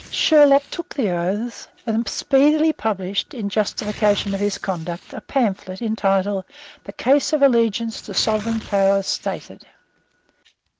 Sherlock took the oaths, and speedily published, in justification of his conduct, a pamphlet entitled The Case of Allegiance to Sovereign Powers stated.